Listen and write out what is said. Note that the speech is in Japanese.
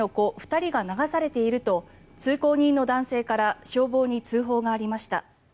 ２人が流されていると通行人の男性から消防に通報がありました。